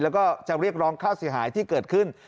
แล้วก็จะเรียกร้องค่าเสียหายที่เกิดขึ้น